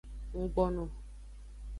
Nggbono.